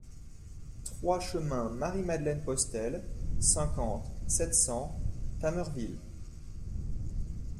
trois chemin Marie Madeleine Postel, cinquante, sept cents, Tamerville